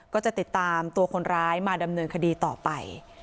ก็จะติดตามตัวคนร้ายมาดำเนินคดีต่อไป